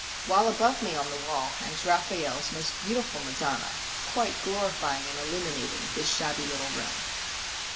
while above me on the wall hangs Raphael's most beautiful Madonna, quite glorifying and illuminating this shabby little room.